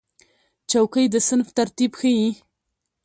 چوکۍ د صنف ترتیب ښیي.